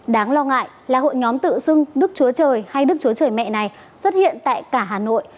đáng lo ngại là hội nhóm tự xưng nước chúa trời hay đức chúa trời mẹ này xuất hiện tại cả hà nội